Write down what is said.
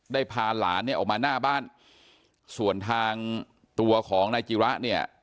พาหลานเนี่ยออกมาหน้าบ้านส่วนทางตัวของนายจิระเนี่ย